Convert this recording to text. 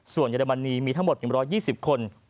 ส่วนเยอรมนีมีทั้งหมด๑๒๐คน